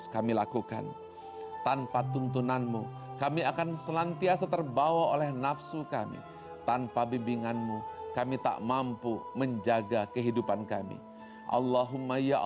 kami mohon padamu